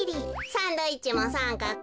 サンドイッチもさんかく。